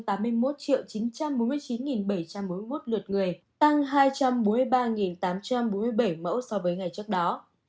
tổng số ca tử vong do covid một mươi chín tại việt nam tính đến nay là bốn mươi chín bảy trăm bốn mươi một lượt người tăng hai trăm bốn mươi ba tám trăm bốn mươi bảy mẫu so với ngày trước đó